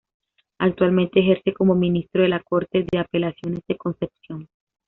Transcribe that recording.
Actualmente ejerce como ministro de la Corte de Apelaciones de Concepción.